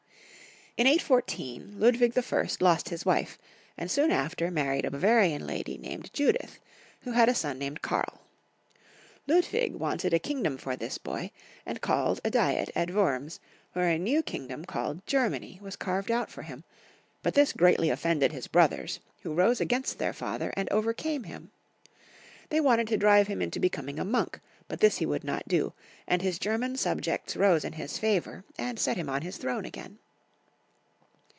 In 814, Ludwig I. lost his wife, and soon after married a Bavarian lady named Judith, who had a liOD named KarL Ludwig wanted a kingdom for Ludwig ii, the Pious. 75 this boy, and called a diet at Wurms, where a new kingdom called Germany was carved out for him ; but this greatly offended his brothers, who rose against their father, and overcame him. They wanted to diive him into becoming a monk, but this he would not do, and his German subjects rose in his favour, and set him on liis throne again.